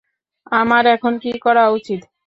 আমার এখন কি করা উচিত?